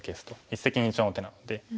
一石二鳥の手なので。